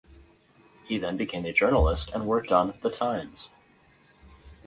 He then became a journalist, and worked on "The Times".